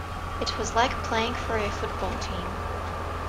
It was like playing for a football team.